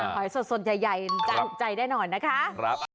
ขอให้สดใหญ่ใจได้หน่อยนะคะ